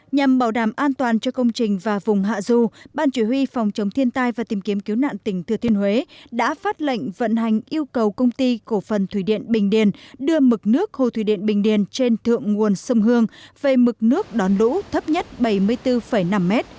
nhằm bảo đảm an toàn cho công trình và vùng hạ du ban chủ huy phòng chống thiên tai và tìm kiếm cứu nạn tỉnh thừa thiên huế đã phát lệnh vận hành yêu cầu công ty cổ phần thủy điện bình điền đưa mực nước hồ thủy điện bình điền trên thượng nguồn sông hương về mực nước đón lũ thấp nhất bảy mươi bốn năm mét